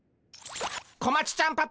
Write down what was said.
小町ちゃんパパ